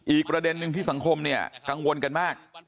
อีกประเด็นนึงที่สังคมเนี่ยกังวลกันมาก